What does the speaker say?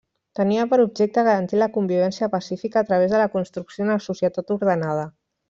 Tenia per objecte garantir la convivència pacífica a través de la construcció d'una societat ordenada.